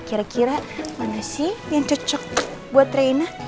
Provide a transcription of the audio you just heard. kira kira mana sih yang cocok buat raina